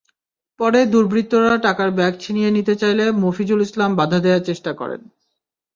পরে দুর্বৃত্তরা টাকার ব্যাগ ছিনিয়ে নিতে চাইলে মফিজুল ইসলাম বাধা দেওয়ার চেষ্টা করেন।